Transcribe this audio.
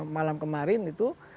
malam kemarin itu